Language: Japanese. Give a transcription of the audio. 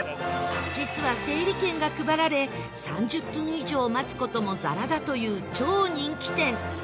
実は、整理券が配られ３０分以上待つ事もざらだという超人気店